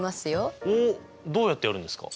おっどうやってやるんですか？